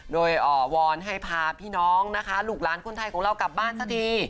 โดยวอนให้พาพี่น้องนะคะลูกหลานคนไทยของเรากลับบ้านซะที